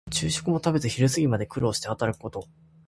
昼食も食べずに昼過ぎまで苦労して働くこと。